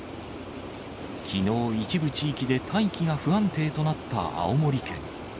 きのう、一部地域で大気が不安定となった青森県。